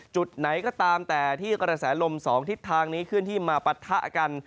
จุดไหนก็ตามแต่ที่กระแสลมสองทิศทางนี้ขึ้นที่มาปัดทะกัน